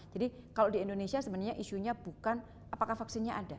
jadi kalau di indonesia sebenarnya isunya bukan apakah vaksinnya ada